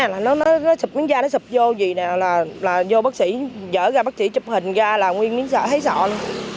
nó sụp miếng da nó sụp vô gì nè là vô bác sĩ dỡ ra bác sĩ chụp hình ra là nguyên miếng sợ thấy sợ luôn